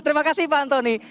terima kasih pak antoni